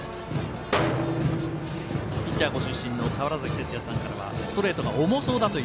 ピッチャーご出身の川原崎哲也さんからはストレートが重そうだと。